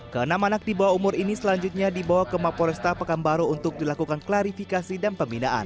karena anak dibawa umur ini selanjutnya dibawa ke maporesta pekembaru untuk dilakukan klarifikasi dan pembinaan